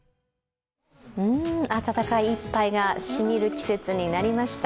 温かい１杯がしみる季節になりました。